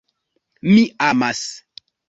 Mi amas!